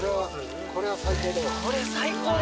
これは最高だ。